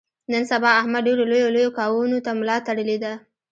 نن سبا احمد ډېرو لویو لویو کاونو ته ملا تړلې ده.